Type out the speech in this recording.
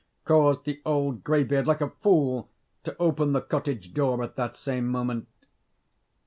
caused the old grey beard, like a fool, to open the cottage door at that same moment.